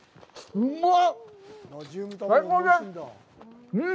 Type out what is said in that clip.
うまっ！